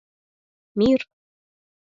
— «Мир!